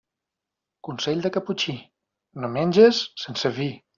Consell de caputxí: no menges sense vi.